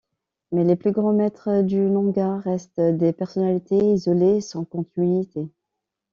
Mais les plus grands maîtres du Nanga restent des personnalités isolées sans continuité.